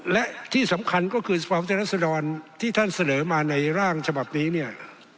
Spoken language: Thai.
และที่สำคัญก็คือสภาพรัศดรที่ท่านเสนอมาในร่างฉบับนี้เนี่ย